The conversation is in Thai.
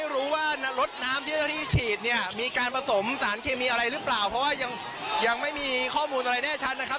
รถน้ำที่เจ้าหน้าที่ฉีดเนี่ยมีการผสมสารเคมีอะไรหรือเปล่าเพราะว่ายังไม่มีข้อมูลอะไรแน่ชัดนะครับ